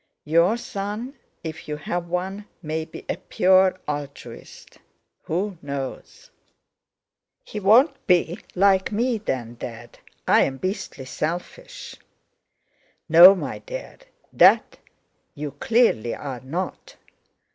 Your son, if you have one, may be a pure altruist; who knows?" "He won't be like me, then, Dad; I'm beastly selfish." "No, my dear, that you clearly are not."